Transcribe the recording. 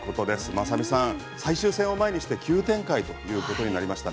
雅美さん、最終戦を前にして前にして急展開ということになりました。